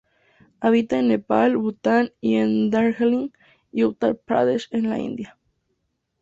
Habita en Nepal, Bután y en Darjeeling y Uttar Pradesh en la India.